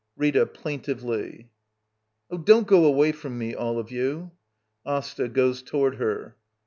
] Rita. [Plaintively.] Oh, don't go away from me, all of you ! AsTA. [Goes toward her.